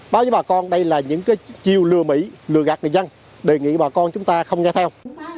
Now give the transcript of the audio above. báo với bà con đây là những chiêu lừa mỹ lừa gạt người dân đề nghị bà con chúng ta không nghe theo